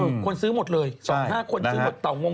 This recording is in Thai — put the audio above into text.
เออคุณซื้อหมดเลย๒๕คุณซื้อหมด